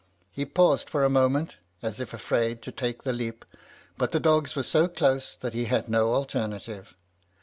He paused for a moment, as if afraid to take the leap, but the dogs were so close that he had no alternative.